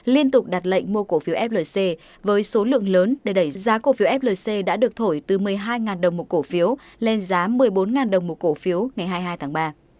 liên tục đặt lệnh mua cổ phiếu flc với số lượng lớn để đẩy giá cổ phiếu flc đã được thổi từ một mươi hai đồng một cổ phiếu lên giá một mươi bốn đồng một cổ phiếu ngày hai mươi hai tháng ba